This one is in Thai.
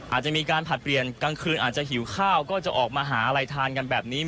อาจจะมีการผลัดเปลี่ยนกลางคืนอาจจะหิวข้าวก็จะออกมาหาอะไรทานกันแบบนี้